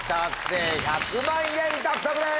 １００万円獲得です。